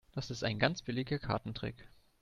Das ist ein ganz billiger Kartentrick.